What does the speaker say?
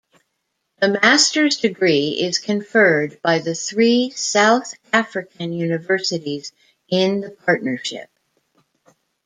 The master's degree is conferred by the three South African universities in the partnership.